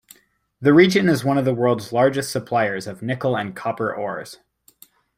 The region is one of the world's largest suppliers of nickel and copper ores.